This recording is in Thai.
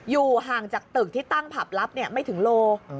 อยู่ห่างจากตึกที่ตั้งผับลับไม่ถึงโล